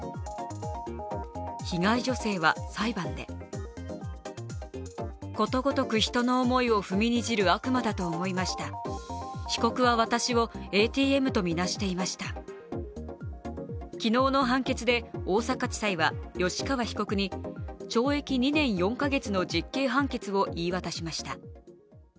被害女性は裁判で昨日の判決で、大阪地裁は吉川被告に懲役２年４か月の実刑判決を言い渡しました。